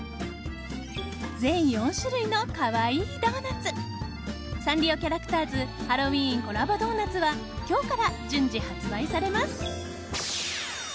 全４種類の可愛いドーナツサンリオキャラクターズハロウィーンコラボドーナツは今日から順次発売されます。